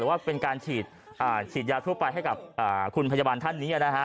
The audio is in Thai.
แต่ว่าเป็นการฉีดยาทั่วไปให้กับคุณพยาบาลท่านนี้นะฮะ